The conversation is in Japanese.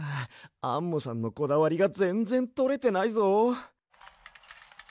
アンモさんのこだわりがぜんぜんとれてないぞ。